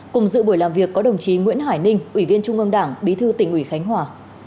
cùng dự buổi làm việc có đồng chí nguyễn hải ninh ủy viên trung ương đảng bí thư tỉnh ủy khánh hòa